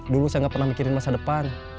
dulu saya gak pernah mikirin masa depan